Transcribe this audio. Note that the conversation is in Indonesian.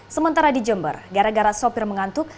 sementara di jember gara gara sopir mengantuk